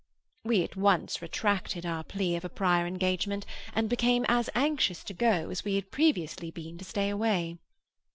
We at once retracted our plea of a prior engagement, and became as anxious to go, as we had previously been to stay away.